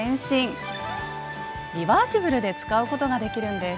リバーシブルで使うことができるんです。